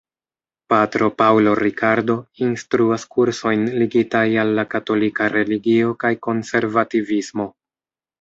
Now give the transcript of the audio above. Patro Paulo Ricardo instruas kursojn ligitaj al la katolika religio kaj konservativismo.